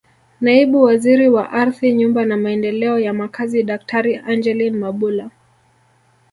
Naibu Waziri wa Ardhi Nyumba na Maendeleo ya Makazi Daktari Angeline Mabula